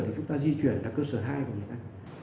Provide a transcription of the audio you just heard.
thì chúng ta di chuyển ra cơ sở hai của người ta